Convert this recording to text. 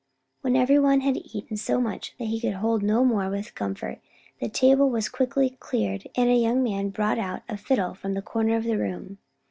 When every one had eaten so much that he could hold no more with comfort, the table was quickly cleared, and a young man brought out a fiddle from the corner of the room.